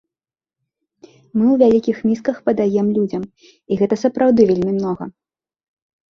Мы ў вялікіх місках падаём людзям, і гэтага сапраўды вельмі многа!